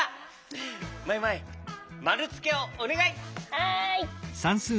はい。